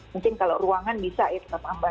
mungkin kalau ruangan bisa ya tetap ambah